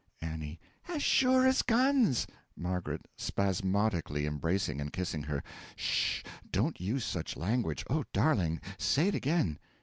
A. As sure as guns! M. (Spasmodically embracing and kissing her.) 'Sh! don't use such language. O darling, say it again!